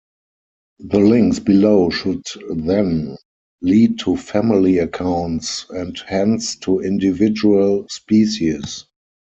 The links below should then lead to family accounts and hence to individual species.